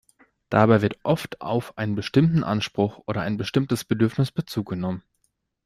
Dabei wird oft auf einen bestimmten Anspruch oder ein bestimmtes Bedürfnis Bezug genommen.